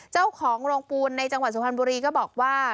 เจ้าของโรงปูนในจังหวัดสุพรรณบุรีก็บอกว่า